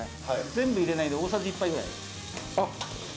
全部入れないで大さじ１杯ぐらい。